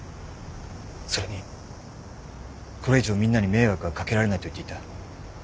それにこれ以上みんなに迷惑は掛けられないと言っていた。